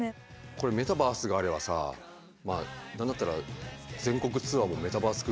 これメタバースがあればさまあなんだったら全国ツアーもメタバース空間でできるしね。